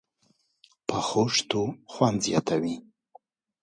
پخو شتو خوند زیات وي